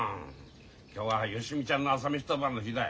今日は芳美ちゃんの朝飯当番の日だ。